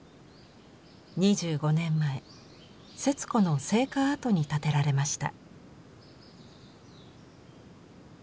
２５年前節子の生家跡に建てられました。